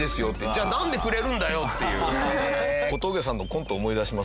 じゃあなんでくれるんだよっていう。